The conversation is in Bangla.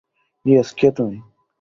ইয়েস, কে তুমি?